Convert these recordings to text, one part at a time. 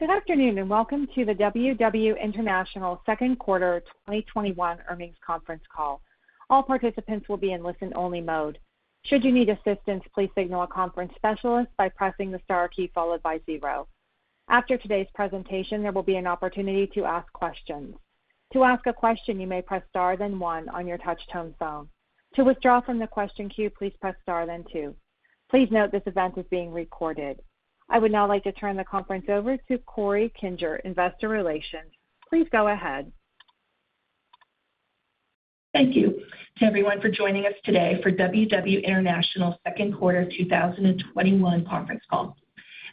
Good afternoon, and welcome to the WW International second quarter 2021 earnings conference call. All participants will be in listen only mode. Should you need assistance, please signal a conference specialist by pressing the star key followed by zero. After today's presentation, there will be an opportunity to ask questions. Please note this event is being recorded. I would now like to turn the conference over to Corey Kinger, investor relations. Please go ahead. Thank you to everyone for joining us today for WW International's second quarter 2021 conference call.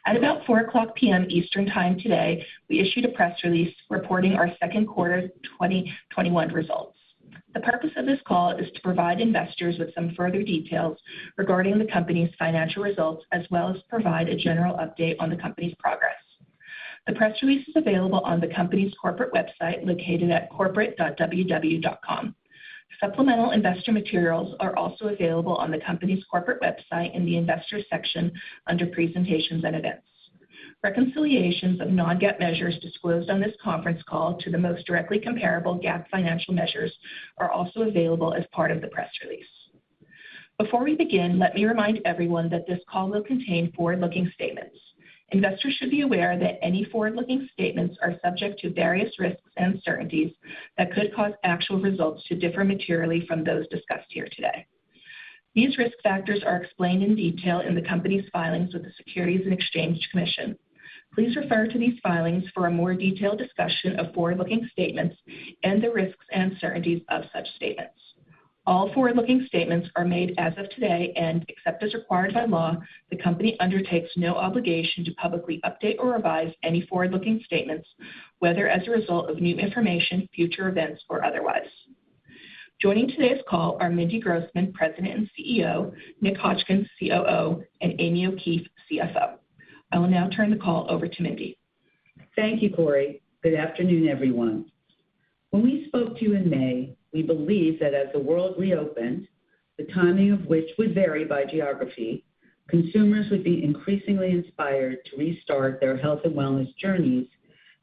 At about 4:00 P.M. Eastern Time today, we issued a press release reporting our second quarter 2021 results. The purpose of this call is to provide investors with some further details regarding the company's financial results, as well as provide a general update on the company's progress. The press release is available on the company's corporate website, located at corporate.ww.com. Supplemental investor materials are also available on the company's corporate website in the Investors section, under Presentations and Events. Reconciliations of non-GAAP measures disclosed on this conference call to the most directly comparable GAAP financial measures are also available as part of the press release. Before we begin, let me remind everyone that this call will contain forward-looking statements. Investors should be aware that any forward-looking statements are subject to various risks and uncertainties that could cause actual results to differ materially from those discussed here today. These risk factors are explained in detail in the company's filings with the Securities and Exchange Commission. Please refer to these filings for a more detailed discussion of forward-looking statements and the risks and uncertainties of such statements. All forward-looking statements are made as of today, and except as required by law, the company undertakes no obligation to publicly update or revise any forward-looking statements, whether as a result of new information, future events, or otherwise. Joining today's call are Mindy Grossman, President and CEO, Nick Hotchkin, COO, and Amy O'Keefe, CFO. I will now turn the call over to Mindy. Thank you, Corey. Good afternoon, everyone. When we spoke to you in May, we believed that as the world reopened, the timing of which would vary by geography, consumers would be increasingly inspired to restart their health and wellness journeys,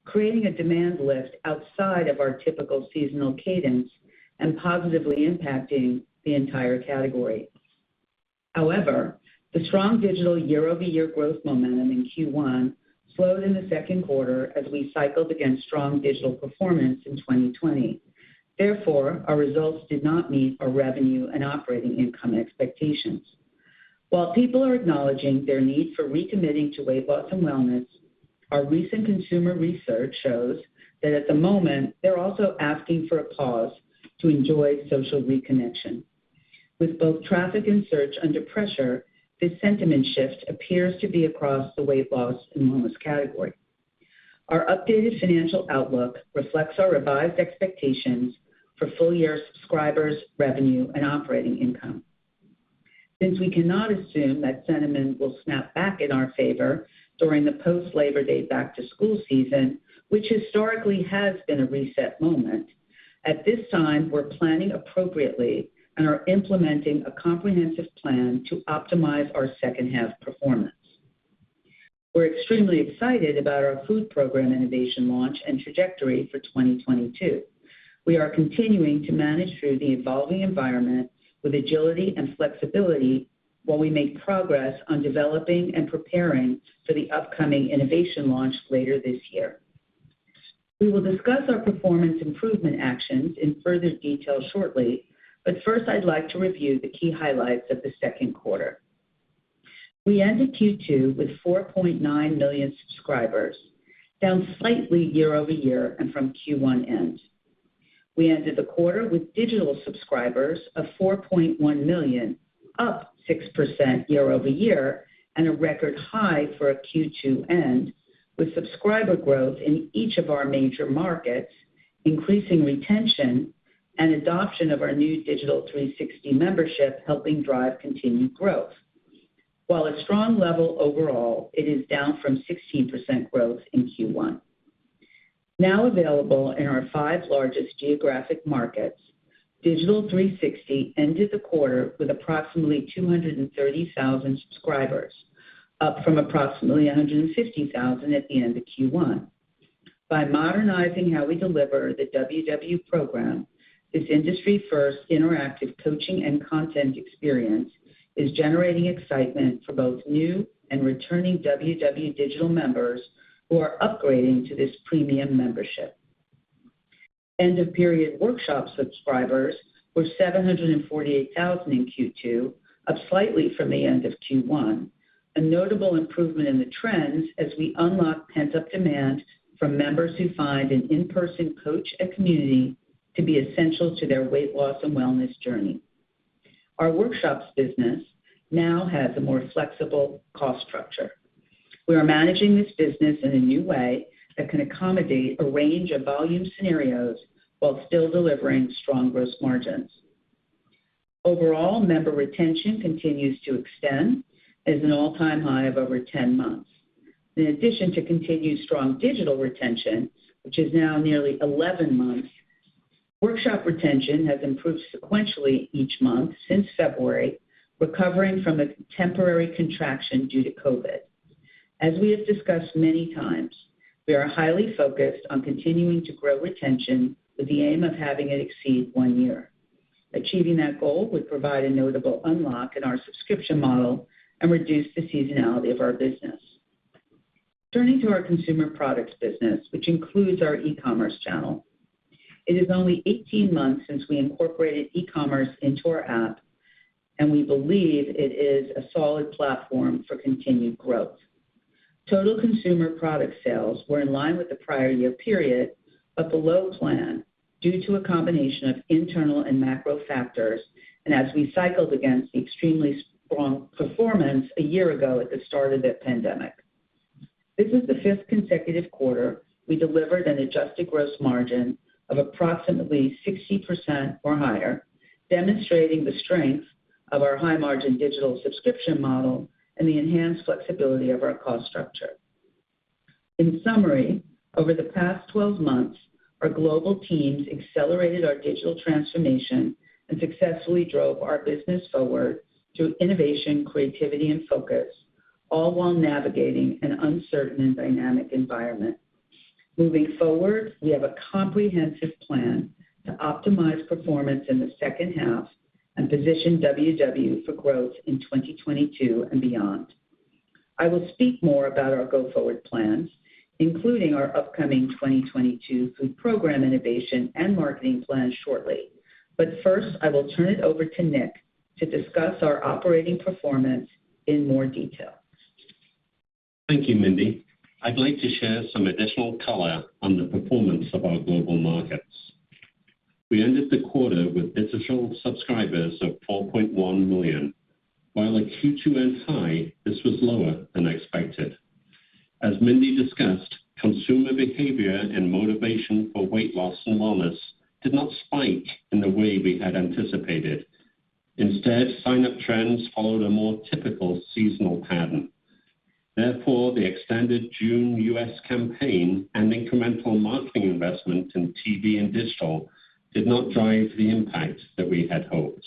creating a demand lift outside of our typical seasonal cadence and positively impacting the entire category. However, the strong digital year-over-year growth momentum in Q1 slowed in the second quarter as we cycled against strong digital performance in 2020. Therefore, our results did not meet our revenue and operating income expectations. While people are acknowledging their need for recommitting to weight loss and wellness, our recent consumer research shows that at the moment, they're also asking for a pause to enjoy social reconnection. With both traffic and search under pressure, this sentiment shift appears to be across the weight loss and wellness category. Our updated financial outlook reflects our revised expectations for full year subscribers, revenue, and operating income. Since we cannot assume that sentiment will snap back in our favor during the post Labor Day back to school season, which historically has been a reset moment, at this time, we're planning appropriately and are implementing a comprehensive plan to optimize our second half performance. We're extremely excited about our food program innovation launch and trajectory for 2022. We are continuing to manage through the evolving environment with agility and flexibility while we make progress on developing and preparing for the upcoming innovation launch later this year. We will discuss our performance improvement actions in further detail shortly, but first, I'd like to review the key highlights of the second quarter. We ended Q2 with 4.9 million subscribers, down slightly year-over-year and from Q1 end. We ended the quarter with digital subscribers of 4.1 million, up 6% year-over-year, and a record high for a Q2 end, with subscriber growth in each of our major markets, increasing retention, and adoption of our new Digital 360 membership helping drive continued growth. While a strong level overall, it is down from 16% growth in Q1. Now available in our five largest geographic markets, Digital 360 ended the quarter with approximately 230,000 subscribers, up from approximately 150,000 at the end of Q1. By modernizing how we deliver the WW program, this industry-first interactive coaching and content experience is generating excitement for both new and returning WW digital members who are upgrading to this premium membership. End of period workshops subscribers were 748,000 in Q2, up slightly from the end of Q1, a notable improvement in the trends as we unlock pent-up demand from members who find an in-person coach and community to be essential to their weight loss and wellness journey. Our workshops business now has a more flexible cost structure. We are managing this business in a new way that can accommodate a range of volume scenarios while still delivering strong gross margins. Overall, member retention continues to extend, is an all-time high of over 10 months. In addition to continued strong digital retention, which is now nearly 11 months. Workshop retention has improved sequentially each month since February, recovering from a temporary contraction due to COVID. As we have discussed many times, we are highly focused on continuing to grow retention with the aim of having it exceed one year. Achieving that goal would provide a notable unlock in our subscription model and reduce the seasonality of our business. Turning to our consumer products business, which includes our e-commerce channel. It is only 18 months since we incorporated e-commerce into our app, and we believe it is a solid platform for continued growth. Total consumer product sales were in line with the prior year period, but below plan due to a combination of internal and macro factors, and as we cycled against the extremely strong performance a year ago at the start of the pandemic. This is the fifth consecutive quarter we delivered an adjusted gross margin of approximately 60% or higher, demonstrating the strength of our high-margin digital subscription model and the enhanced flexibility of our cost structure. In summary, over the past 12 months, our global teams accelerated our digital transformation and successfully drove our business forward through innovation, creativity, and focus, all while navigating an uncertain and dynamic environment. Moving forward, we have a comprehensive plan to optimize performance in the second half and position WW for growth in 2022 and beyond. I will speak more about our go-forward plans, including our upcoming 2022 food program innovation and marketing plan, shortly. First, I will turn it over to Nick to discuss our operating performance in more detail. Thank you, Mindy. I'd like to share some additional color on the performance of our global markets. We ended the quarter with digital subscribers of 4.1 million. While a Q2 end high, this was lower than expected. As Mindy discussed, consumer behavior and motivation for weight loss and wellness did not spike in the way we had anticipated. Instead, sign-up trends followed a more typical seasonal pattern. Therefore, the extended June U.S. campaign and incremental marketing investment in TV and digital did not drive the impact that we had hoped.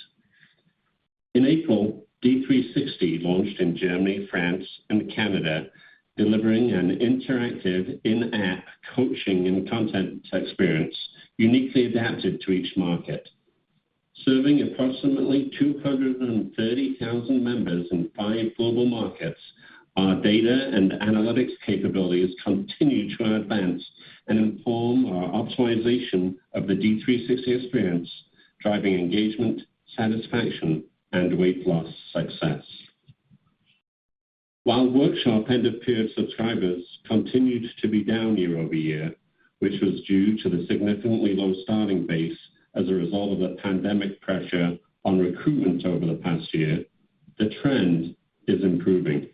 In April, D360 launched in Germany, France, and Canada, delivering an interactive in-app coaching and content experience uniquely adapted to each market. Serving approximately 230,000 members in five global markets, our data and analytics capabilities continue to advance and inform our optimization of the D360 experience, driving engagement, satisfaction, and weight loss success. While workshop end-of-period subscribers continued to be down year-over-year, which was due to the significantly low starting base as a result of the pandemic pressure on recruitment over the past year, the trend is improving.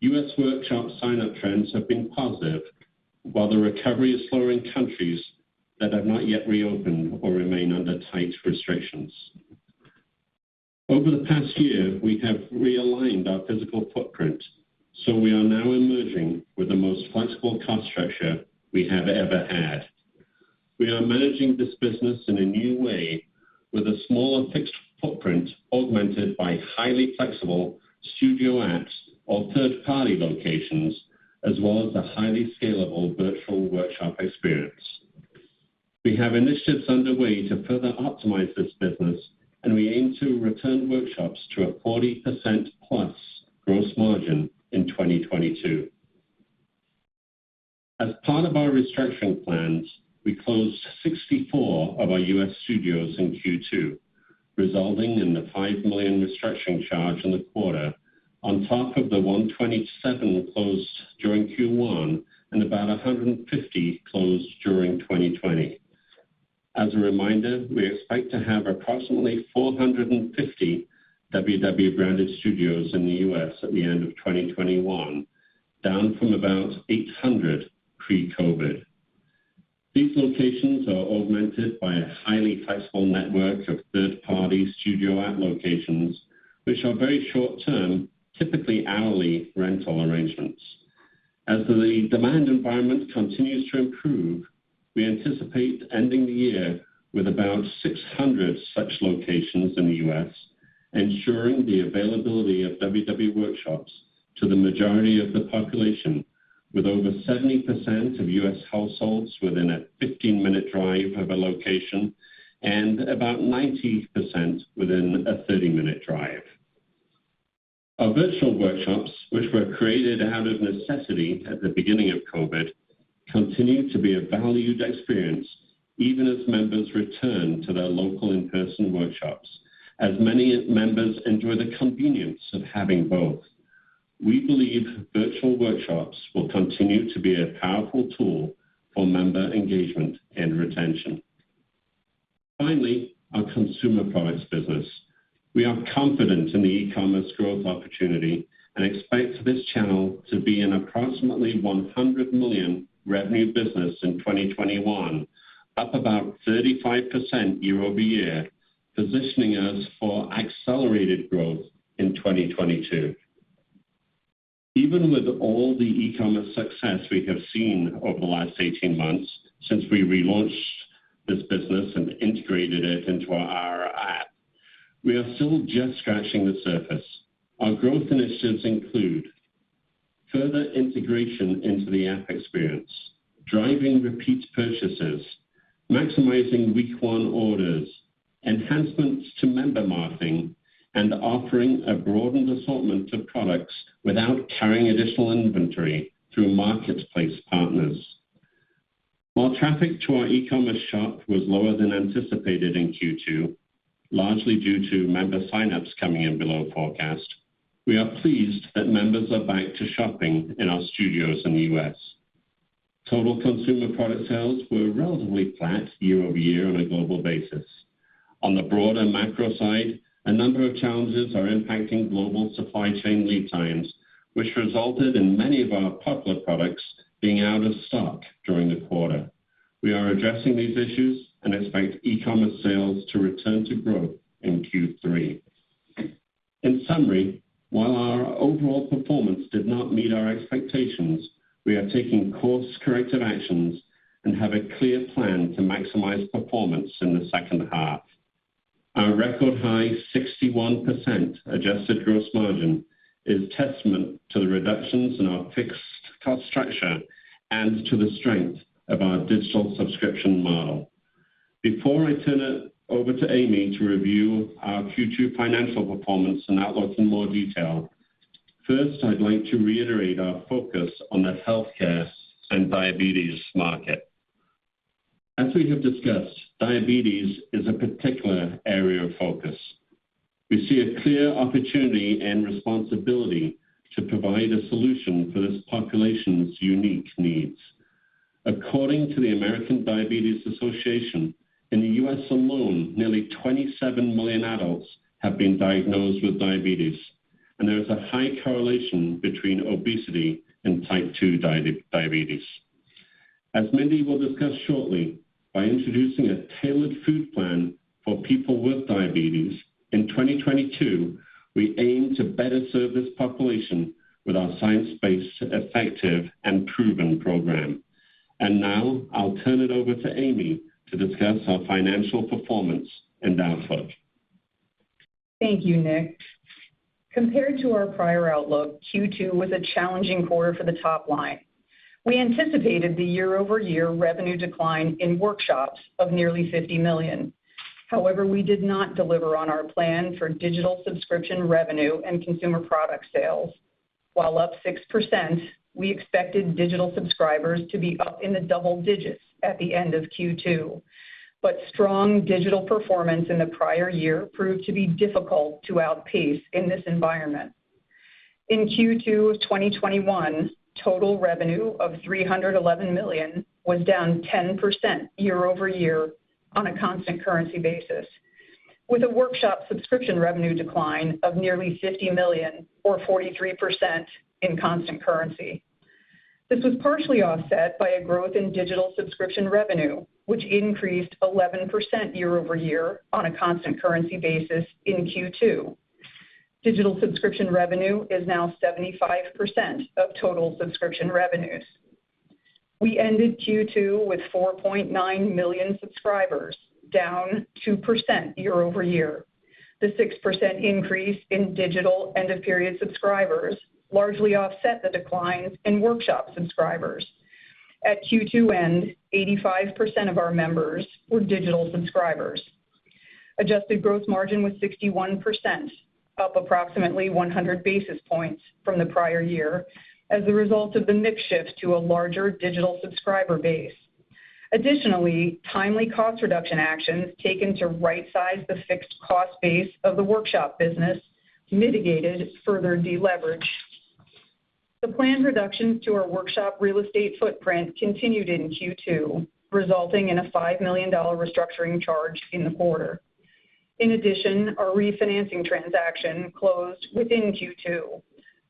U.S. workshop sign-up trends have been positive, while the recovery is slower in countries that have not yet reopened or remain under tight restrictions. Over the past year, we have realigned our physical footprint, so we are now emerging with the most flexible cost structure we have ever had. We are managing this business in a new way with a smaller fixed footprint augmented by highly flexible Studio@ or third-party locations, as well as the highly scalable virtual workshop experience. We have initiatives underway to further optimize this business, and we aim to return workshops to a 40%+ gross margin in 2022. As part of our restructuring plans, we closed 64 of our U.S. studios in Q2, resulting in the $5 million restructuring charge in the quarter, on top of the 127 closed during Q1 and about 150 closed during 2020. As a reminder, we expect to have approximately 450 WW branded studios in the U.S. at the end of 2021, down from about 800 pre-COVID. These locations are augmented by a highly flexible network of third-party Studio@ locations, which are very short-term, typically hourly rental arrangements. As the demand environment continues to improve, we anticipate ending the year with about 600 such locations in the U.S., ensuring the availability of WW workshops to the majority of the population with over 70% of U.S. households within a 15-minute drive of a location and about 90% within a 30-minute drive. Our virtual workshops, which were created out of necessity at the beginning of COVID, continue to be a valued experience, even as members return to their local in-person workshops, as many members enjoy the convenience of having both. We believe virtual workshops will continue to be a powerful tool for member engagement and retention. Finally, our consumer products business. We are confident in the e-commerce growth opportunity and expect this channel to be an approximately $100 million revenue business in 2021, up about 35% year-over-year, positioning us for accelerated growth in 2022. Even with all the e-commerce success we have seen over the last 18 months since we relaunched this business and integrated it into our app, we are still just scratching the surface. Our growth initiatives include further integration into the app experience, driving repeat purchases, maximizing week one orders, enhancements to member marketing, and offering a broadened assortment of products without carrying additional inventory through marketplace partners. While traffic to our e-commerce shop was lower than anticipated in Q2, largely due to member sign-ups coming in below forecast, we are pleased that members are back to shopping in our studios in the U.S. Total consumer product sales were relatively flat year-over-year on a global basis. On the broader macro side, a number of challenges are impacting global supply chain lead times, which resulted in many of our popular products being out of stock during the quarter. We are addressing these issues and expect e-commerce sales to return to growth in Q3. In summary, while our overall performance did not meet our expectations, we are taking course corrective actions and have a clear plan to maximize performance in the second half. Our record-high 61% adjusted gross margin is testament to the reductions in our fixed cost structure and to the strength of our digital subscription model. Before I turn it over to Amy to review our Q2 financial performance and outlook in more detail, first, I'd like to reiterate our focus on the healthcare and diabetes market. As we have discussed, diabetes is a particular area of focus. We see a clear opportunity and responsibility to provide a solution for this population's unique needs. According to the American Diabetes Association, in the U.S. alone, nearly 27 million adults have been diagnosed with diabetes, and there is a high correlation between obesity and Type 2 diabetes. As Mindy will discuss shortly, by introducing a tailored food plan for people with diabetes, in 2022, we aim to better serve this population with our science-based effective and proven program. Now I'll turn it over to Amy to discuss our financial performance and outlook. Thank you, Nick. Compared to our prior outlook, Q2 was a challenging quarter for the top line. We anticipated the year-over-year revenue decline in workshops of nearly $50 million. We did not deliver on our plan for digital subscription revenue and consumer product sales. While up 6%, we expected digital subscribers to be up in the double digits at the end of Q2. Strong digital performance in the prior year proved to be difficult to outpace in this environment. In Q2 of 2021, total revenue of $311 million was down 10% year-over-year on a constant currency basis, with a workshop subscription revenue decline of nearly $50 million or 43% in constant currency. This was partially offset by a growth in digital subscription revenue, which increased 11% year-over-year on a constant currency basis in Q2. Digital subscription revenue is now 75% of total subscription revenues. We ended Q2 with 4.9 million subscribers, down 2% year-over-year. The 6% increase in digital end-of-period subscribers largely offset the declines in workshop subscribers. At Q2 end, 85% of our members were digital subscribers. Adjusted gross margin was 61%, up approximately 100 basis points from the prior year as a result of the mix shift to a larger digital subscriber base. Additionally, timely cost reduction actions taken to right-size the fixed cost base of the workshop business mitigated further deleverage. The planned reductions to our workshop real estate footprint continued in Q2, resulting in a $5 million restructuring charge in the quarter. In addition, our refinancing transaction closed within Q2,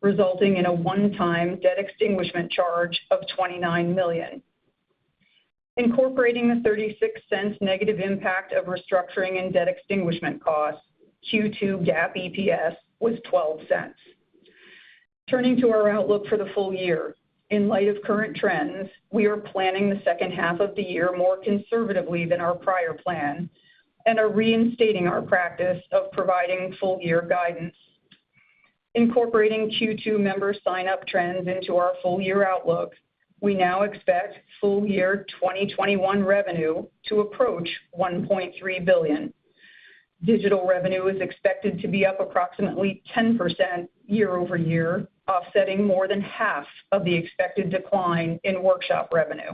resulting in a one-time debt extinguishment charge of $29 million. Incorporating the $0.36 negative impact of restructuring and debt extinguishment costs, Q2 GAAP EPS was $0.12. Turning to our outlook for the full year, in light of current trends, we are planning the second half of the year more conservatively than our prior plan and are reinstating our practice of providing full-year guidance. Incorporating Q2 member sign-up trends into our full-year outlook, we now expect full-year 2021 revenue to approach $1.3 billion. Digital revenue is expected to be up approximately 10% year-over-year, offsetting more than half of the expected decline in workshop revenue.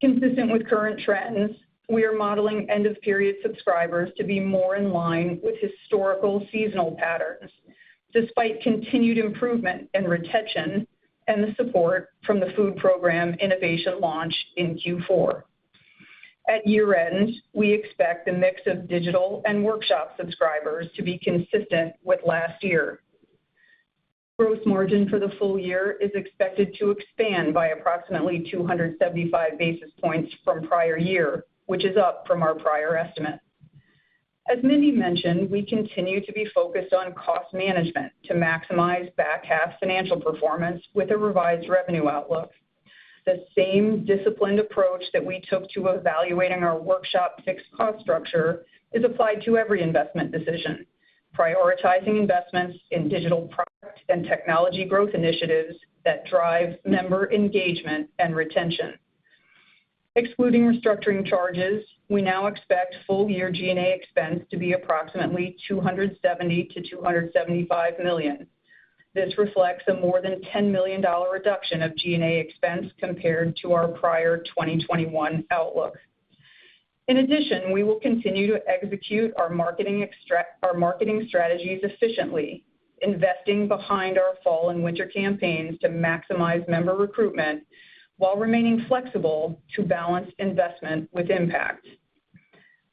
Consistent with current trends, we are modeling end-of-period subscribers to be more in line with historical seasonal patterns, despite continued improvement in retention and the support from the food program innovation launch in Q4. At year-end, we expect the mix of digital and workshop subscribers to be consistent with last year. Gross margin for the full year is expected to expand by approximately 275 basis points from prior year, which is up from our prior estimate. As Mindy mentioned, we continue to be focused on cost management to maximize back-half financial performance with a revised revenue outlook. The same disciplined approach that we took to evaluating our workshop fixed cost structure is applied to every investment decision, prioritizing investments in digital product and technology growth initiatives that drive member engagement and retention. Excluding restructuring charges, we now expect full-year G&A expense to be approximately $270 million-$275 million. This reflects a more than $10 million reduction of G&A expense compared to our prior 2021 outlook. In addition, we will continue to execute our marketing strategies efficiently, investing behind our fall and winter campaigns to maximize member recruitment while remaining flexible to balance investment with impact.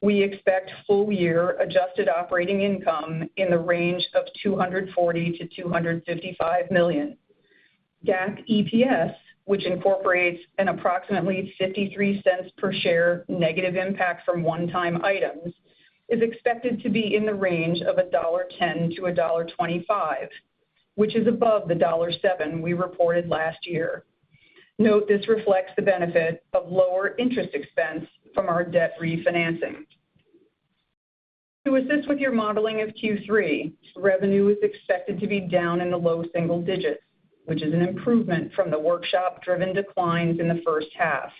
We expect full-year adjusted operating income in the range of $240 million-$255 million. GAAP EPS, which incorporates an approximately $0.53 per share negative impact from one-time items, is expected to be in the range of $1.10-$1.25, which is above the $1.7 we reported last year. Note this reflects the benefit of lower interest expense from our debt refinancing. To assist with your modeling of Q3, revenue is expected to be down in the low single digits, which is an improvement from the workshop-driven declines in the first half.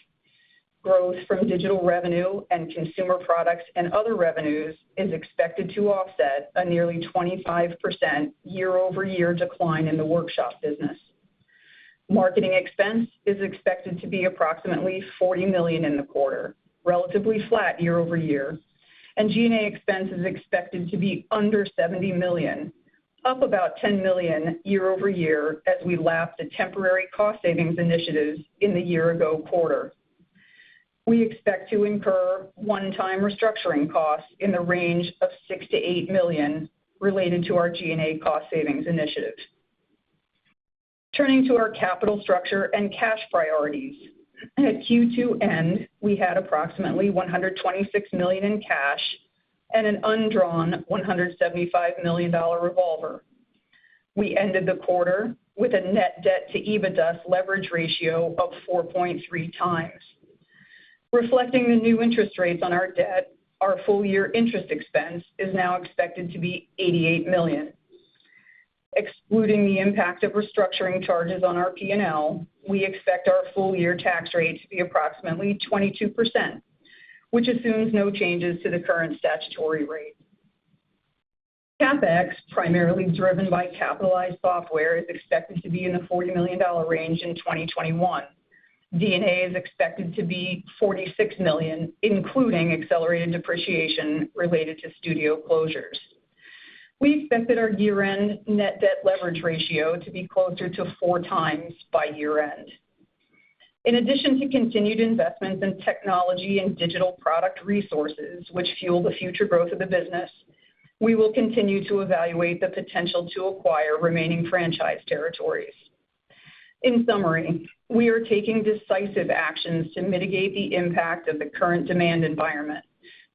Growth from digital revenue and consumer products and other revenues is expected to offset a nearly 25% year-over-year decline in the workshop business. Marketing expense is expected to be approximately $40 million in the quarter, relatively flat year-over-year, and G&A expense is expected to be under $70 million, up about $10 million year-over-year as we lap the temporary cost savings initiatives in the year-ago quarter. We expect to incur one-time restructuring costs in the range of $6 million-$8 million related to our G&A cost savings initiatives. Turning to our capital structure and cash priorities. At Q2 end, we had approximately $126 million in cash and an undrawn $175 million revolver. We ended the quarter with a net debt-to-EBITDA leverage ratio of 4.3x. Reflecting the new interest rates on our debt, our full-year interest expense is now expected to be $88 million. Excluding the impact of restructuring charges on our P&L, we expect our full-year tax rate to be approximately 22%, which assumes no changes to the current statutory rate. CapEx, primarily driven by capitalized software, is expected to be in the $40 million range in 2021. D&A is expected to be $46 million, including accelerated depreciation related to studio closures. We expect that our year-end net debt leverage ratio to be closer to 4x by year-end. In addition to continued investments in technology and digital product resources, which fuel the future growth of the business, we will continue to evaluate the potential to acquire remaining franchise territories. In summary, we are taking decisive actions to mitigate the impact of the current demand environment.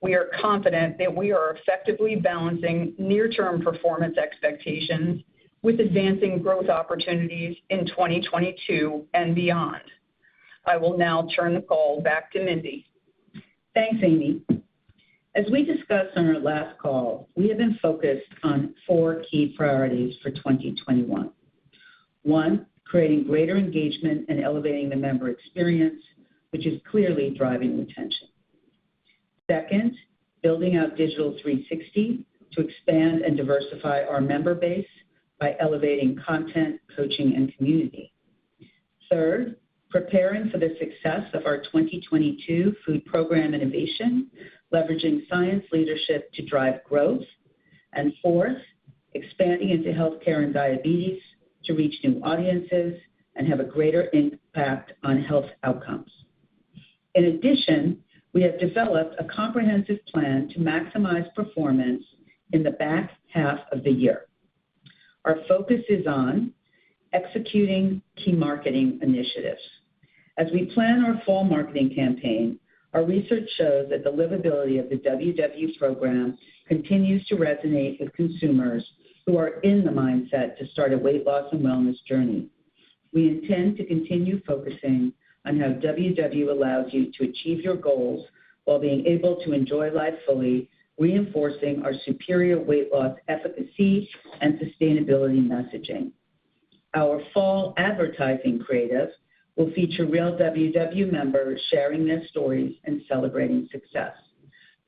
We are confident that we are effectively balancing near-term performance expectations with advancing growth opportunities in 2022 and beyond. I will now turn the call back to Mindy. Thanks, Amy. As we discussed on our last call, we have been focused on four key priorities for 2021. One, creating greater engagement and elevating the member experience, which is clearly driving retention. Second, building out Digital 360 to expand and diversify our member base by elevating content, coaching, and community. Third, preparing for the success of our 2022 food program innovation, leveraging science leadership to drive growth. Fourth, expanding into healthcare and diabetes to reach new audiences and have a greater impact on health outcomes. In addition, we have developed a comprehensive plan to maximize performance in the back half of the year. Our focus is on executing key marketing initiatives. As we plan our fall marketing campaign, our research shows that the livability of the WW program continues to resonate with consumers who are in the mindset to start a weight loss and wellness journey. We intend to continue focusing on how WW allows you to achieve your goals while being able to enjoy life fully, reinforcing our superior weight loss efficacy and sustainability messaging. Our fall advertising creative will feature real WW members sharing their stories and celebrating success.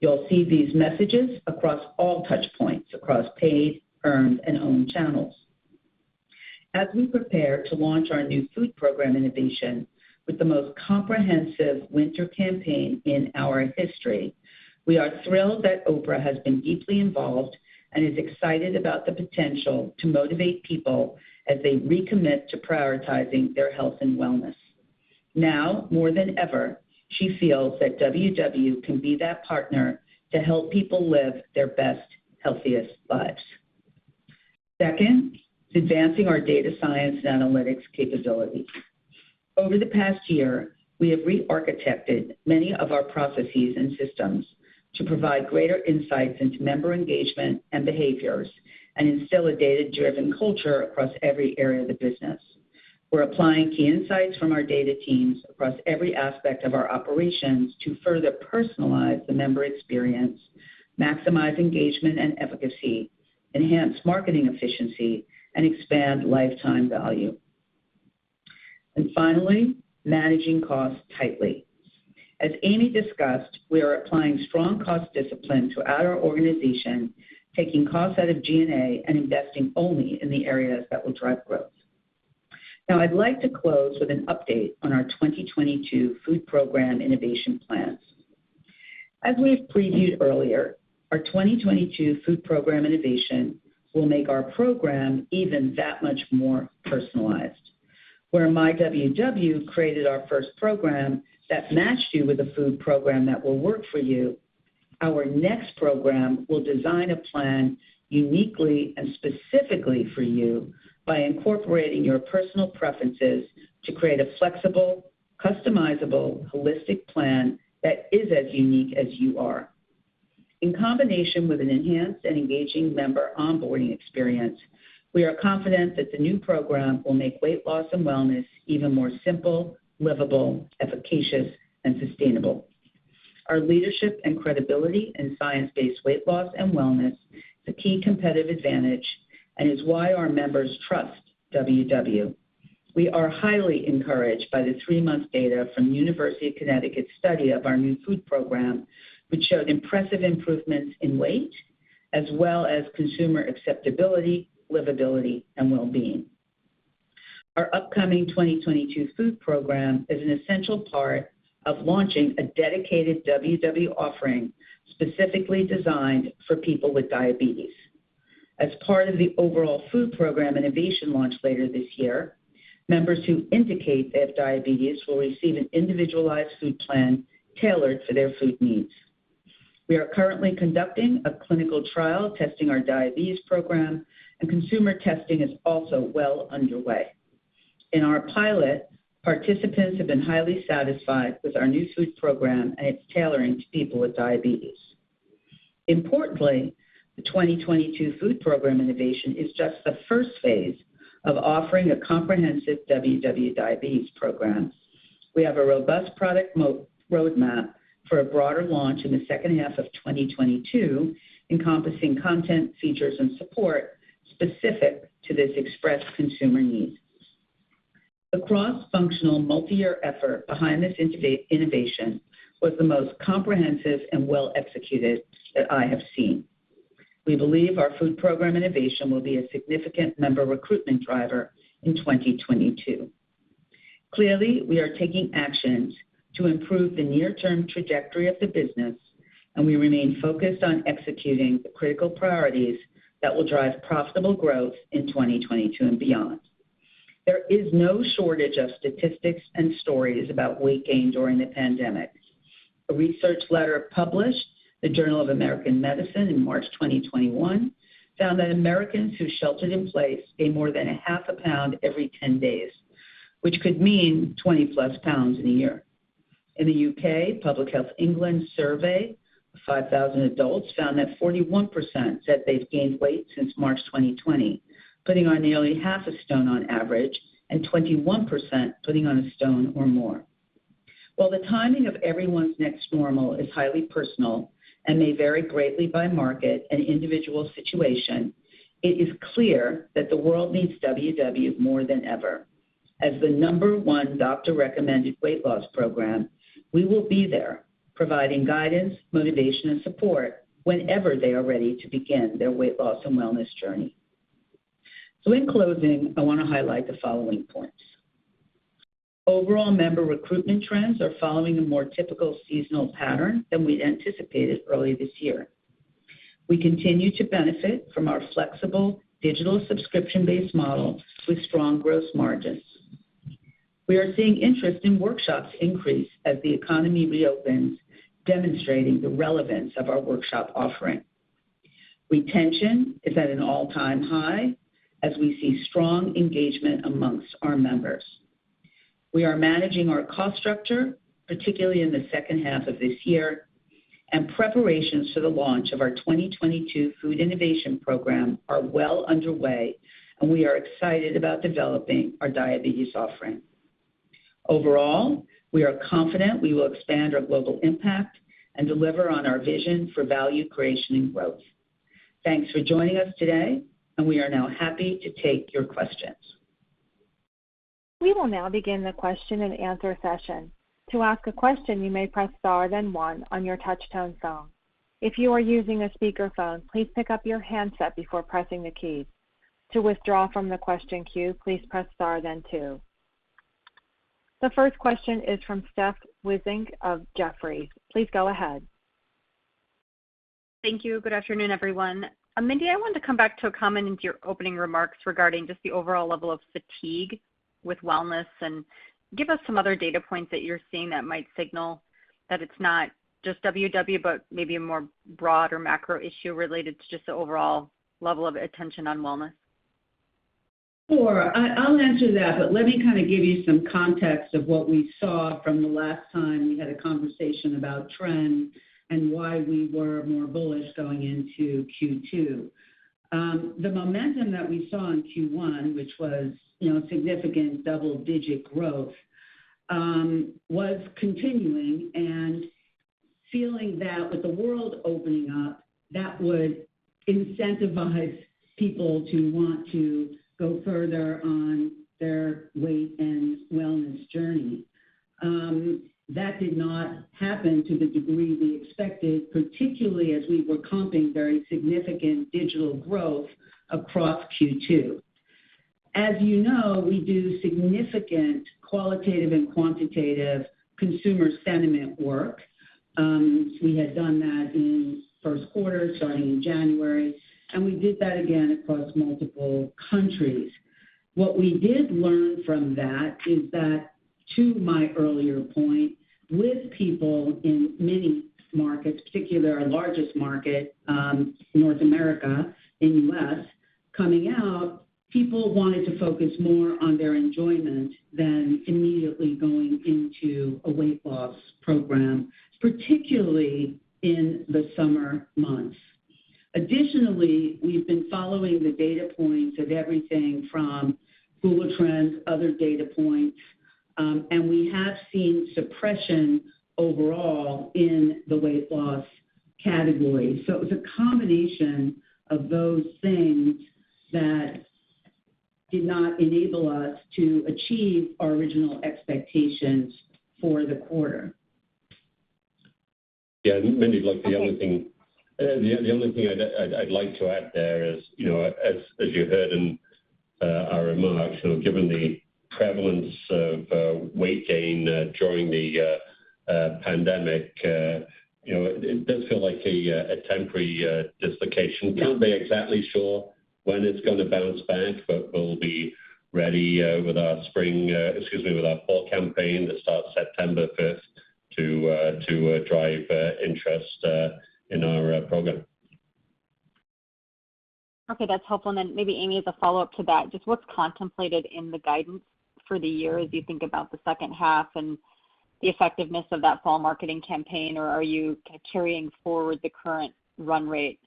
You'll see these messages across all touch points, across paid, earned, and owned channels. As we prepare to launch our new food program innovation with the most comprehensive winter campaign in our history, we are thrilled that Oprah has been deeply involved and is excited about the potential to motivate people as they recommit to prioritizing their health and wellness. Now more than ever, she feels that WW can be that partner to help people live their best, healthiest lives. Second, advancing our data science and analytics capabilities. Over the past year, we have re-architected many of our processes and systems to provide greater insights into member engagement and behaviors and instill a data-driven culture across every area of the business. We're applying key insights from our data teams across every aspect of our operations to further personalize the member experience, maximize engagement and efficacy, enhance marketing efficiency, and expand lifetime value. Finally, managing costs tightly. As Amy discussed, we are applying strong cost discipline throughout our organization, taking cost out of G&A and investing only in the areas that will drive growth. Now, I'd like to close with an update on our 2022 Food Program Innovation plans. As we've previewed earlier, our 2022 Food Program Innovation will make our program even that much more personalized. myWW created our first program that matched you with a food program that will work for you, our next program will design a plan uniquely and specifically for you by incorporating your personal preferences to create a flexible, customizable, holistic plan that is as unique as you are. In combination with an enhanced and engaging member onboarding experience, we are confident that the new program will make weight loss and wellness even more simple, livable, efficacious, and sustainable. Our leadership and credibility in science-based weight loss and wellness is a key competitive advantage and is why our members trust WW. We are highly encouraged by the three-month data from University of Connecticut's study of our new food program, which showed impressive improvements in weight, as well as consumer acceptability, livability, and wellbeing. Our upcoming 2022 food program is an essential part of launching a dedicated WW offering specifically designed for people with diabetes. As part of the overall food program innovation launch later this year, members who indicate they have diabetes will receive an individualized food plan tailored to their food needs. We are currently conducting a clinical trial testing our diabetes program, and consumer testing is also well underway. In our pilot, participants have been highly satisfied with our new food program and its tailoring to people with diabetes. Importantly, the 2022 food program innovation is just the first phase of offering a comprehensive WW diabetes program. We have a robust product roadmap for a broader launch in the second half of 2022, encompassing content, features, and support specific to this expressed consumer need. The cross-functional, multi-year effort behind this innovation was the most comprehensive and well-executed that I have seen. We believe our food program innovation will be a significant member recruitment driver in 2022. Clearly, we are taking actions to improve the near-term trajectory of the business, and we remain focused on executing the critical priorities that will drive profitable growth in 2022 and beyond. There is no shortage of statistics and stories about weight gain during the pandemic. A research letter published in the Journal of the American Medical Association in March 2021 found that Americans who sheltered in place gained more than a half a pound every 10 days, which could mean 20-plus pounds in a year. In the U.K., a Public Health England survey of 5,000 adults found that 41% said they've gained weight since March 2020, putting on nearly half a stone on average, and 21% putting on one stone or more. While the timing of everyone's next normal is highly personal and may vary greatly by market and individual situation, it is clear that the world needs WW more than ever. As the number one doctor-recommended weight loss program, we will be there providing guidance, motivation, and support whenever they are ready to begin their weight loss and wellness journey. In closing, I want to highlight the following points. Overall member recruitment trends are following a more typical seasonal pattern than we'd anticipated early this year. We continue to benefit from our flexible digital subscription-based model with strong gross margins. We are seeing interest in workshops increase as the economy reopens, demonstrating the relevance of our workshop offering. Retention is at an all-time high as we see strong engagement amongst our members. We are managing our cost structure, particularly in the second half of this year. Preparations for the launch of our 2022 food innovation program are well underway, and we are excited about developing our diabetes offering. Overall, we are confident we will expand our global impact and deliver on our vision for value creation and growth. Thanks for joining us today, and we are now happy to take your questions. We will now begin the question and answer session. To ask a question, you may press star, then one on your touch-tone phone. If you are using a speakerphone, please pick up your handset before pressing the keys. To withdraw from the question queue, please press star, then two. The first question is from Steph Wissink of Jefferies. Please go ahead. Thank you. Good afternoon, everyone. Mindy, I wanted to come back to a comment into your opening remarks regarding just the overall level of fatigue with wellness and give us some other data points that you're seeing that might signal that it's not just WW, but maybe a more broad or macro issue related to just the overall level of attention on wellness. Sure. I'll answer that. Let me give you some context of what we saw from the last time we had a conversation about trends and why we were more bullish going into Q2. The momentum that we saw in Q1, which was significant double-digit growth, was continuing and feeling that with the world opening up, that would incentivize people to want to go further on their weight and wellness journey. That did not happen to the degree we expected, particularly as we were comping very significant digital growth across Q2. As you know, we do significant qualitative and quantitative consumer sentiment work. We had done that in first quarter, starting in January, and we did that again across multiple countries. What we did learn from that is that, to my earlier point, with people in many markets, particularly our largest market, North America and U.S., coming out, people wanted to focus more on their enjoyment than immediately going into a weight loss program, particularly in the summer months. Additionally, we've been following the data points of everything from Google Trends, other data points, and we have seen suppression overall in the weight loss category. It was a combination of those things that did not enable us to achieve our original expectations for the quarter. Mindy, the only thing I'd like to add there is, as you heard in our remarks, given the prevalence of weight gain during the pandemic, it does feel like a temporary dislocation. Can't be exactly sure when it's going to bounce back, but we'll be ready with our fall campaign that starts September 5th to drive interest in our program. Okay, that's helpful. Maybe Amy, as a follow-up to that, just what's contemplated in the guidance for the year as you think about the second half and the effectiveness of that fall marketing campaign, or are you carrying forward the current run rate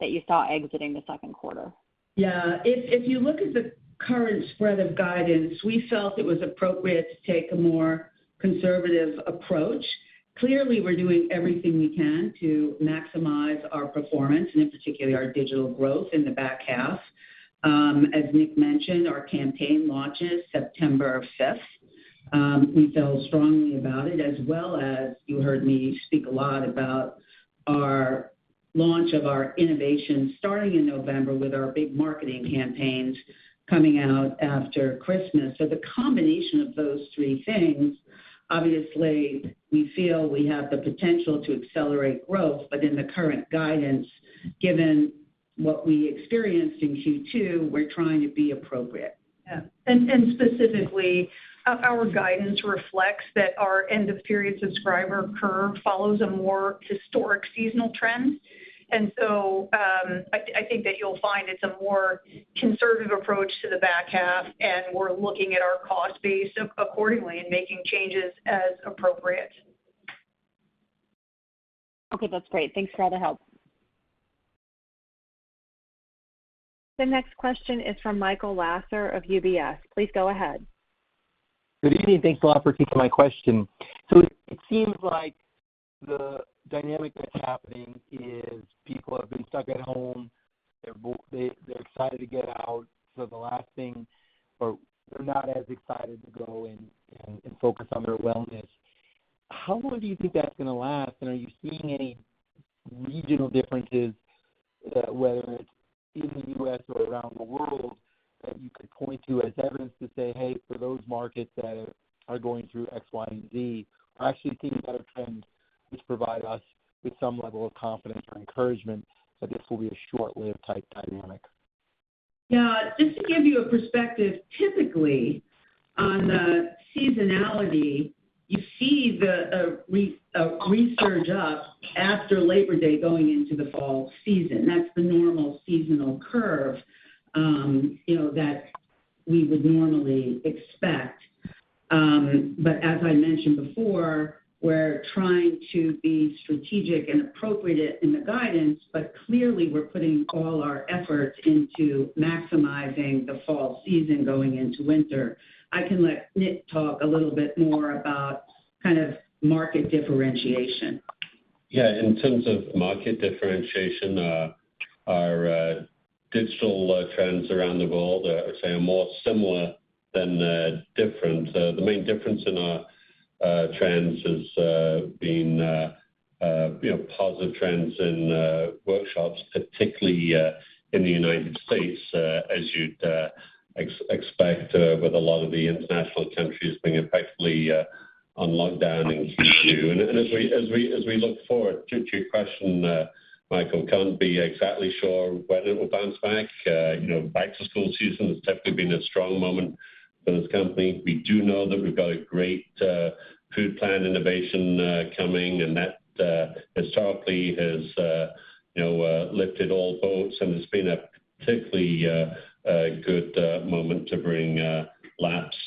that you saw exiting the second quarter? Yeah. If you look at the current spread of guidance, we felt it was appropriate to take a more conservative approach. Clearly, we're doing everything we can to maximize our performance and in particular, our digital growth in the back half. As Nick mentioned, our campaign launches September 5th. We feel strongly about it, as well as you heard me speak a lot about our launch of our innovation starting in November with our big marketing campaigns coming out after Christmas. The combination of those three things, obviously, we feel we have the potential to accelerate growth. In the current guidance, given what we experienced in Q2, we're trying to be appropriate. Yeah. Specifically, our guidance reflects that our end-of-period subscriber curve follows a more historic seasonal trend. I think that you'll find it's a more conservative approach to the back half, and we're looking at our cost base accordingly and making changes as appropriate. Okay, that's great. Thanks for all the help. The next question is from Michael Lasser of UBS. Please go ahead. Good evening. Thanks a lot for taking my question. It seems like the dynamic that's happening is people have been stuck at home. They're excited to get out. The last thing, or they're not as excited to go in and focus on their wellness. How long do you think that's going to last, and are you seeing any regional differences, whether it's in the U.S. or around the world, that you could point to as evidence to say, "Hey, for those markets that are going through X, Y, and Z, we're actually seeing better trends, which provide us with some level of confidence or encouragement that this will be a short-lived type dynamic"? Yeah. Just to give you a perspective, typically on the seasonality, you see the resurge up after Labor Day going into the fall season. That's the normal seasonal curve that we would normally expect. As I mentioned before, we're trying to be strategic and appropriate in the guidance, but clearly, we're putting all our efforts into maximizing the fall season going into winter. I can let Nick talk a little bit more about market differentiation. Yeah. In terms of market differentiation, our digital trends around the world are saying more similar than different. The main difference in our trends has been positive trends in workshops, particularly in the United States, as you'd expect with a lot of the international countries being effectively on lockdown and Q2. As we look forward, to your question, Michael Lasser, can't be exactly sure when it will bounce back. Back to school season has definitely been a strong moment for this company. We do know that we've got a great food plan innovation coming, and that historically has lifted all boats, and has been a particularly good moment to bring lapsed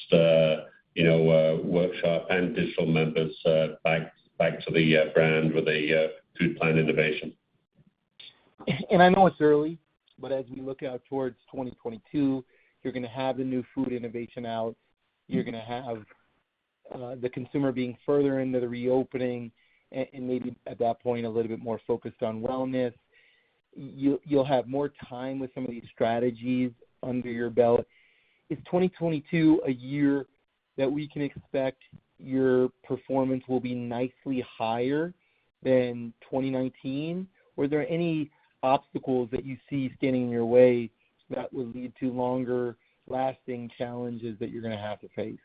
workshop and digital members back to the brand with a food plan innovation. I know it's early, but as we look out towards 2022, you're going to have the new food innovation out. You're going to have the consumer being further into the reopening, and maybe at that point, a little bit more focused on wellness. You'll have more time with some of these strategies under your belt. Is 2022 a year that we can expect your performance will be nicely higher than 2019? Were there any obstacles that you see standing in your way that would lead to longer-lasting challenges that you're going to have to face?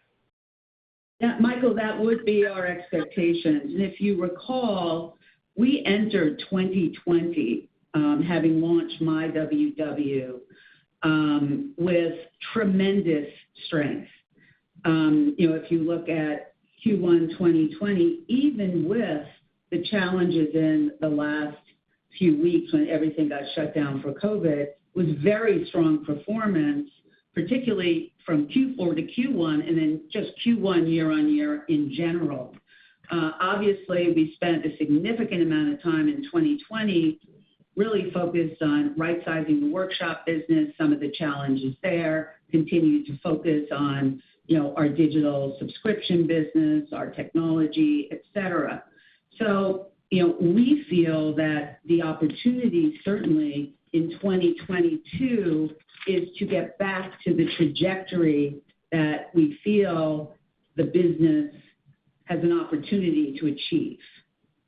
Yeah, Michael, that would be our expectation. If you recall, we entered 2020 having launched myWW with tremendous strength. If you look at Q1 2020, even with the challenges in the last few weeks when everything got shut down for COVID, was very strong performance, particularly from Q4 to Q1, and then just Q1 year-on-year in general. Obviously, we spent a significant amount of time in 2020 really focused on right-sizing the workshop business, some of the challenges there, continued to focus on our digital subscription business, our technology, et cetera. We feel that the opportunity, certainly in 2022, is to get back to the trajectory that we feel the business has an opportunity to achieve.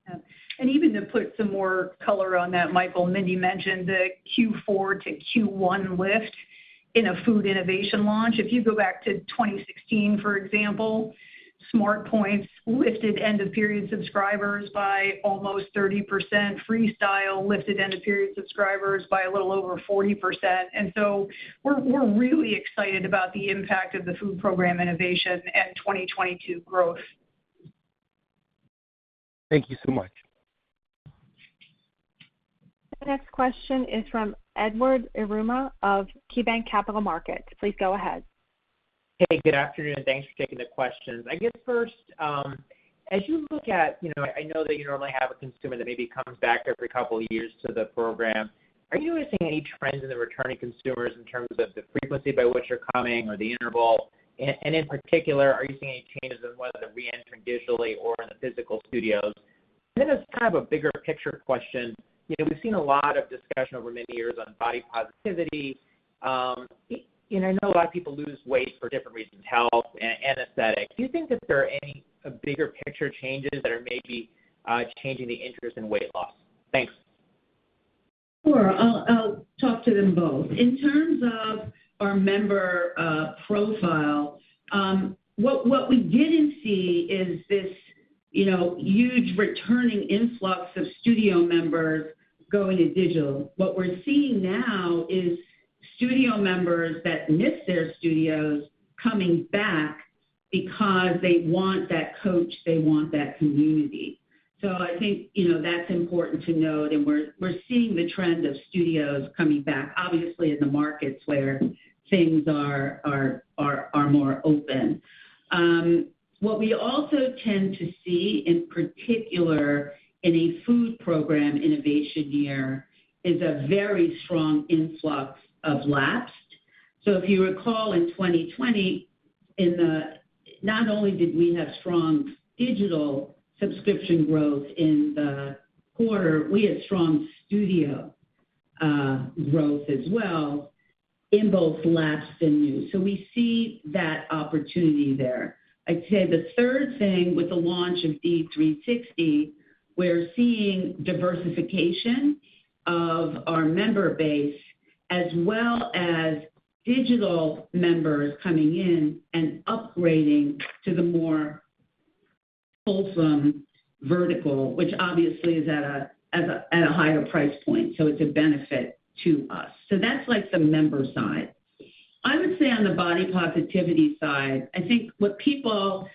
Yeah. Even to put some more color on that, Michael, Mindy mentioned the Q4 to Q1 lift in a food innovation launch. If you go back to 2016, for example, SmartPoints lifted end-of-period subscribers by almost 30%. Freestyle lifted end-of-period subscribers by a little over 40%. We're really excited about the impact of the food program innovation and 2022 growth. Thank you so much. The next question is from Ed Yruma of KeyBanc Capital Markets. Please go ahead. Hey, good afternoon. Thanks for taking the questions. I guess first, as you look at, I know that you normally have a consumer that maybe comes back every couple of years to the program. Are you noticing any trends in the returning consumers in terms of the frequency by which they're coming or the interval? In particular, are you seeing any changes in whether they're re-entering digitally or in the physical studios? Then as kind of a bigger picture question, we've seen a lot of discussion over many years on body positivity. I know a lot of people lose weight for different reasons, health and aesthetic. Do you think that there are any bigger picture changes that are maybe changing the interest in weight loss? Thanks. Sure. I'll talk to them both. In terms of our member profile, what we didn't see is this huge returning influx of studio members going to digital. What we're seeing now is studio members that miss their studios coming back because they want that coach, they want that community. I think, that's important to note, and we're seeing the trend of studios coming back, obviously in the markets where things are more open. What we also tend to see, in particular in a food program innovation year, is a very strong influx of lapsed. If you recall, in 2020, not only did we have strong digital subscription growth in the quarter, we had strong studio growth as well in both lapsed and new. We see that opportunity there. I'd say the third thing, with the launch of D360, we're seeing diversification of our member base, as well as digital members coming in and upgrading to the more holistic vertical, which obviously is at a higher price point, so it's a benefit to us. That's the member side. I would say on the body positivity side, I think what people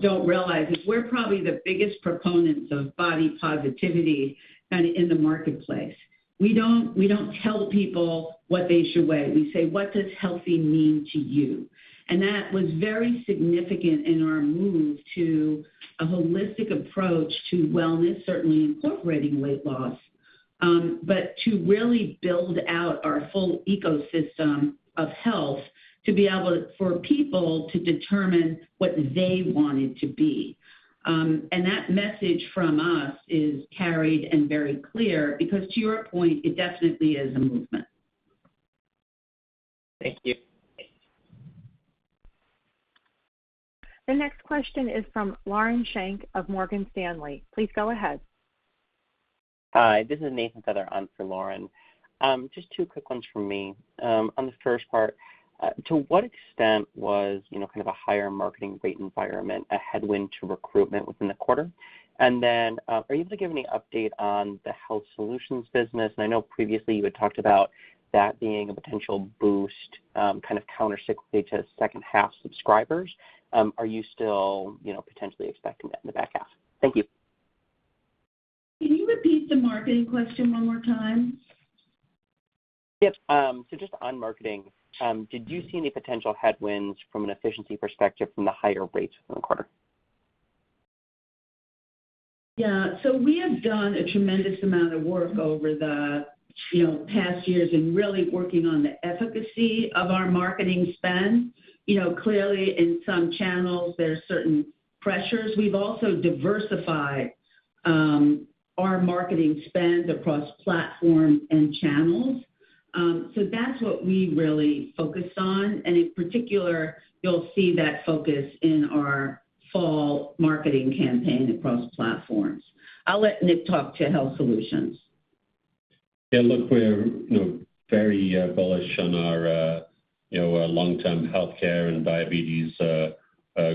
don't realize is we're probably the biggest proponents of body positivity kind of in the marketplace. We don't tell people what they should weigh. We say, "What does healthy mean to you?" That was very significant in our move to a holistic approach to wellness, certainly incorporating weight loss, to really build out our full ecosystem of health, to be able for people to determine what they wanted to be. That message from us is carried and very clear because, to your point, it definitely is a movement. Thank you. The next question is from Lauren Schenk of Morgan Stanley. Please go ahead. Hi, this is Nathan Feather on for Lauren. Just two quick ones from me. On the first part, to what extent was kind of a higher marketing rate environment a headwind to recruitment within the quarter? Are you able to give any update on the health solutions business? I know previously you had talked about that being a potential boost kind of countercyclically to second-half subscribers. Are you still potentially expecting that in the back half? Thank you. Can you repeat the marketing question one more time? Yep. Just on marketing, did you see any potential headwinds from an efficiency perspective from the higher rates within the quarter? Yeah. We have done a tremendous amount of work over the past years in really working on the efficacy of our marketing spend. Clearly, in some channels, there's certain pressures. We've also diversified our marketing spend across platforms and channels. That's what we really focus on. In particular, you'll see that focus in our fall marketing campaign across platforms. I'll let Nick talk to health solutions. Yeah, look, we're very bullish on our long-term healthcare and diabetes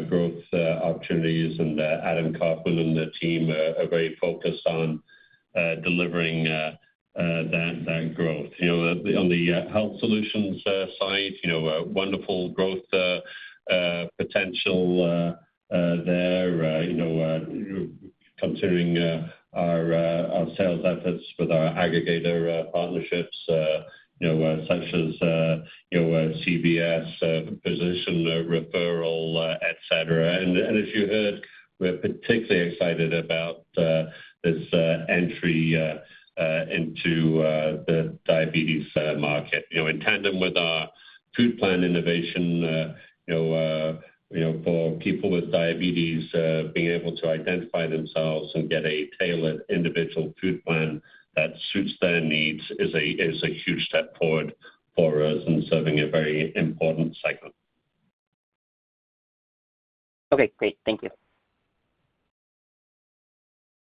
growth opportunities. Adam Kaufman and the team are very focused on delivering that growth. On the health solutions side, wonderful growth potential there, considering our sales efforts with our aggregator partnerships, such as CVS physician referral, et cetera. As you heard, we're particularly excited about this entry into the diabetes market. In tandem with our food plan innovation for people with diabetes, being able to identify themselves and get a tailored individual food plan that suits their needs is a huge step forward for us in serving a very important segment. Okay, great. Thank you.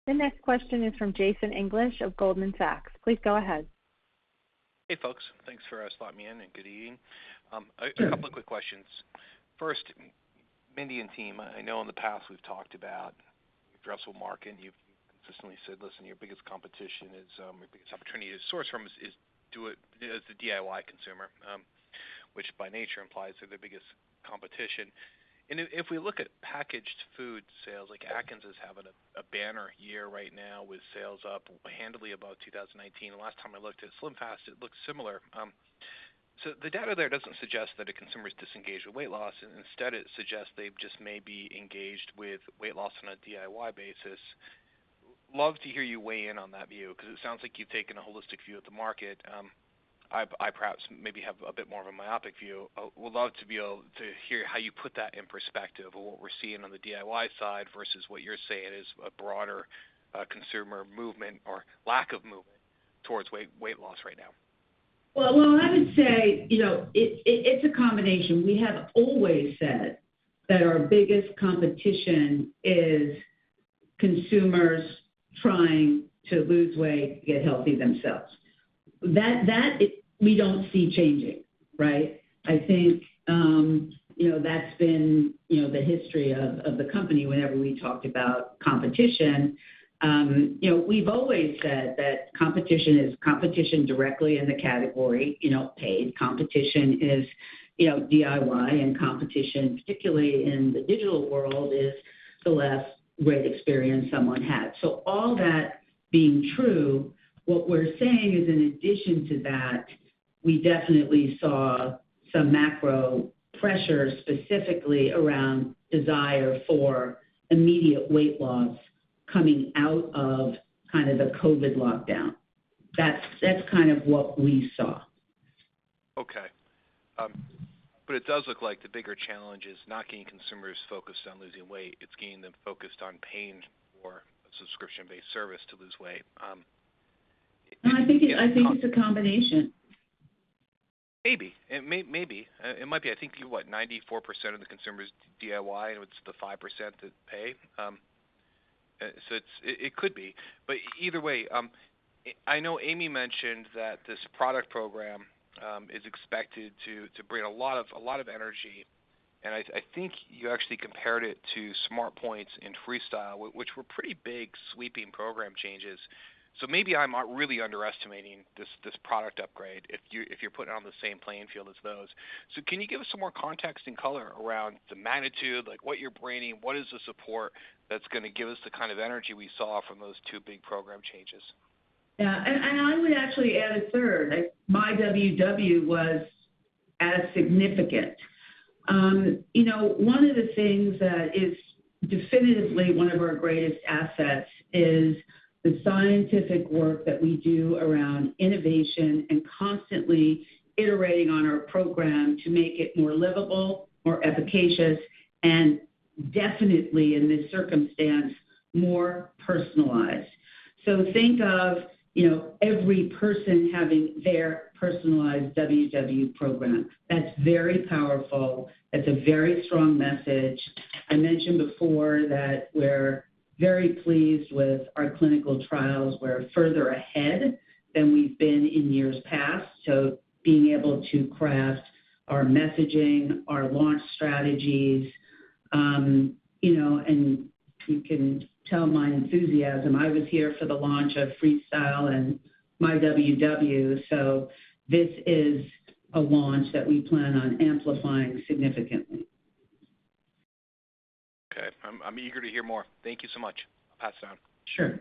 The next question is from Jason English of Goldman Sachs. Please go ahead. Hey, folks. Thanks for slotting me in, and good evening. Sure. A couple of quick questions. First, Mindy and team, I know in the past we've talked about addressable market, and you've consistently said, listen, your biggest competition is, your biggest opportunity to source from is the DIY consumer, which by nature implies they're the biggest competition. If we look at packaged food sales, like Atkins is having a banner year right now with sales up handily above 2019. The last time I looked at SlimFast, it looked similar. The data there doesn't suggest that a consumer is disengaged with weight loss. Instead, it suggests they just may be engaged with weight loss on a DIY basis. Love to hear you weigh in on that view because it sounds like you've taken a holistic view of the market. I perhaps maybe have a bit more of a myopic view. Would love to be able to hear how you put that in perspective of what we're seeing on the DIY side versus what you're saying is a broader consumer movement or lack of movement towards weight loss right now. Well, I would say it's a combination. We have always said that our biggest competition is consumers trying to lose weight, get healthy themselves. That, we don't see changing, right? I think that's been the history of the company whenever we talked about competition. We've always said that competition is competition directly in the category, paid competition is DIY, and competition, particularly in the digital world, is the last great experience someone had. All that being true, what we're saying is in addition to that, we definitely saw some macro pressure specifically around desire for immediate weight loss coming out of kind of the COVID lockdown. That's kind of what we saw. Okay. It does look like the bigger challenge is not getting consumers focused on losing weight, it's getting them focused on paying for a subscription-based service to lose weight. No, I think it's a combination. Maybe. It might be. I think, what, 94% of the consumer is DIY, and it's the 5% that pay. It could be. Either way, I know Amy mentioned that this product program is expected to bring a lot of energy, and I think you actually compared it to SmartPoints and Freestyle, which were pretty big, sweeping program changes. Maybe I'm really underestimating this product upgrade if you're putting it on the same playing field as those. Can you give us some more context and color around the magnitude, like what you're bringing, what is the support that's going to give us the kind of energy we saw from those two big program changes? Yeah. I would actually add a third. myWW was as significant. One of the things that is definitively one of our greatest assets is the scientific work that we do around innovation and constantly iterating on our program to make it more livable, more efficacious, and definitely in this circumstance, more personalized. Think of every person having their personalized WW program. That's very powerful. That's a very strong message. I mentioned before that we're very pleased with our clinical trials. We're further ahead than we've been in years past, so being able to craft our messaging, our launch strategies, and you can tell my enthusiasm. I was here for the launch of Freestyle and myWW, so this is a launch that we plan on amplifying significantly. Okay. I'm eager to hear more. Thank you so much. I'll pass it on. Sure.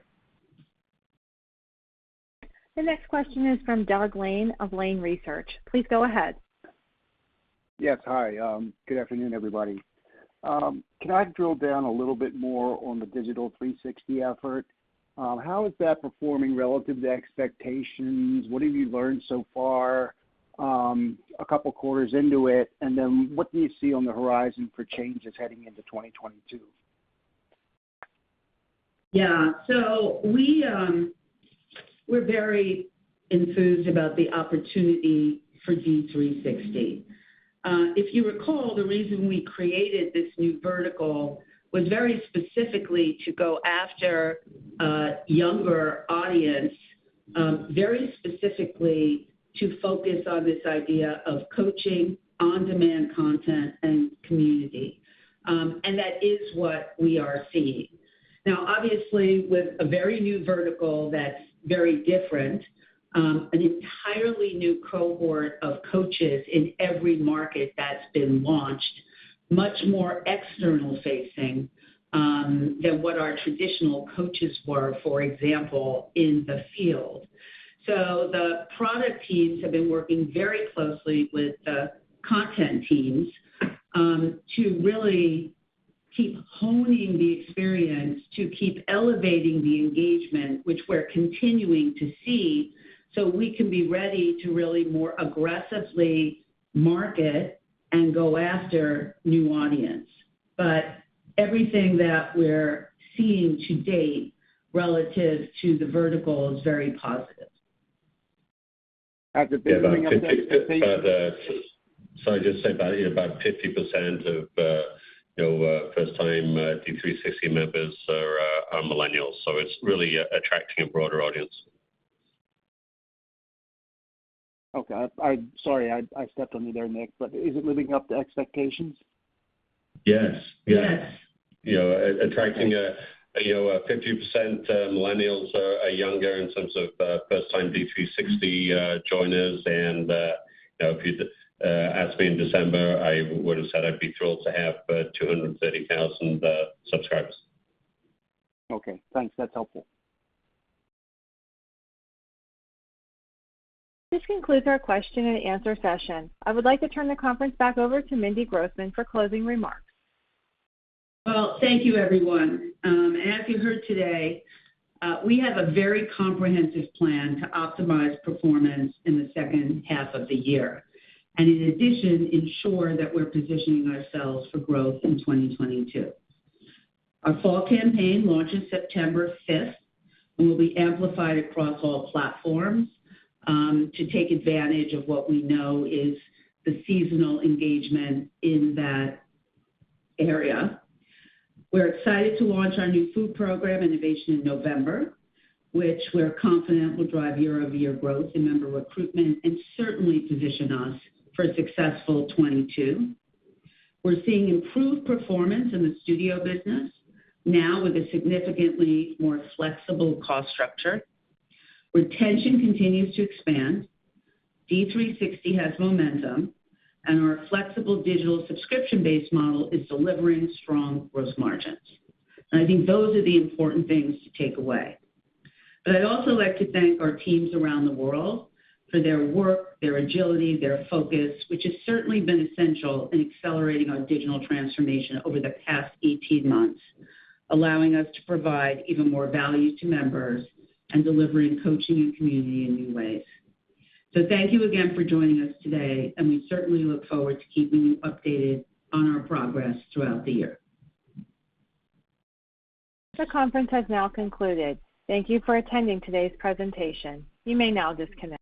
The next question is from Doug Lane of Lane Research. Please go ahead. Yes. Hi. Good afternoon, everybody. Can I drill down a little bit more on the Digital 360 effort? How is that performing relative to expectations? What have you learned so far, a couple quarters into it? What do you see on the horizon for changes heading into 2022? Yeah. We're very enthused about the opportunity for D360. If you recall, the reason we created this new vertical was very specifically to go after a younger audience, very specifically to focus on this idea of coaching, on-demand content, and community. That is what we are seeing. Now, obviously, with a very new vertical that's very different, an entirely new cohort of coaches in every market that's been launched, much more external facing than what our traditional coaches were, for example, in the field. The product teams have been working very closely with the content teams to really keep honing the experience, to keep elevating the engagement, which we're continuing to see, so we can be ready to really more aggressively market and go after new audience. Everything that we're seeing to date relative to the vertical is very positive. Has it been living up to expectations? Sorry, just about 50% of first-time D360 members are millennials, so it's really attracting a broader audience. Okay. Sorry, I stepped on you there, Nick, but is it living up to expectations? Yes. Yes. Attracting 50% millennials are younger in terms of first-time D360 joiners. If you'd asked me in December, I would've said I'd be thrilled to have 230,000 subscribers. Okay, thanks. That's helpful. This concludes our question and answer session. I would like to turn the conference back over to Mindy Grossman for closing remarks. Well, thank you everyone. As you heard today, we have a very comprehensive plan to optimize performance in the second half of the year. In addition, ensure that we're positioning ourselves for growth in 2022. Our fall campaign launches September 5th and will be amplified across all platforms to take advantage of what we know is the seasonal engagement in that area. We're excited to launch our new food program, innovation, in November, which we're confident will drive year-over-year growth in member recruitment and certainly position us for a successful 2022. We're seeing improved performance in the studio business, now with a significantly more flexible cost structure. Retention continues to expand. D360 has momentum, and our flexible digital subscription-based model is delivering strong gross margins. I think those are the important things to take away. I'd also like to thank our teams around the world for their work, their agility, their focus, which has certainly been essential in accelerating our digital transformation over the past 18 months, allowing us to provide even more value to members and delivering coaching and community in new ways. Thank you again for joining us today, and we certainly look forward to keeping you updated on our progress throughout the year. The conference has now concluded. Thank you for attending today's presentation. You may now disconnect.